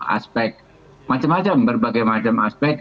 aspek macam macam berbagai macam aspek